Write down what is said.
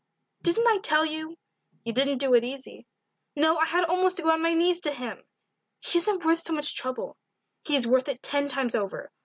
"Didn't I tell you?" "You didn't do it easy." "No, I had almost to go on my knees to him." "He isn't worth so much trouble." "He is worth it ten times over.